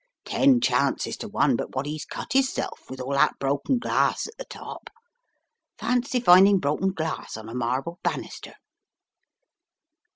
Ten chances to one but what Vs cut 'isself with all that broken glass at the top. Fancy finding broken glass on a marble bannister!"